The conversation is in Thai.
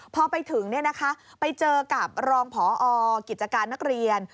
พอไปถึงไปเจอกับรองพอกิจการนักเรียน